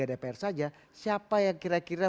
dpr saja siapa yang kira kira